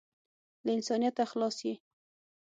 له انسانیته خلاص یې .